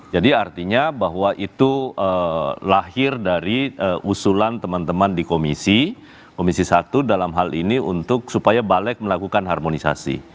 jadi artinya bahwa itu lahir dari usulan teman teman di komisi komisi satu dalam hal ini untuk supaya balek melakukan harmonisasi